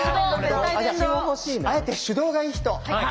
あえて手動がいい人？